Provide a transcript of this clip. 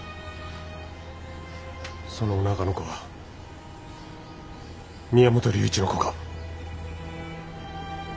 そのおなかの子は宮本龍一の子か。